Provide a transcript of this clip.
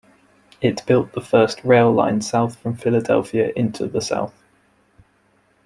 It built the first rail line south from Philadelphia into The South.